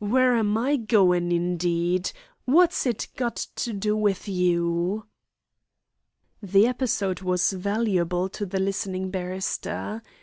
"Where am I goin', indeed. What's it got to do with you?" The episode was valuable to the listening barrister.